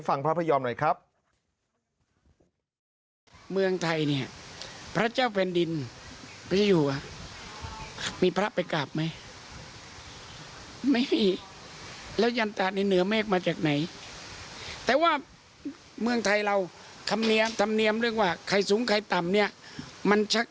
ฟังภาพยอมหน่อยครับ